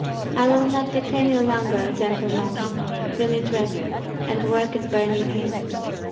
I will not detain you longer, gentlemen; you need rest, and work is burning me.